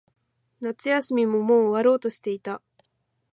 夏休みももう終わろうとしていた。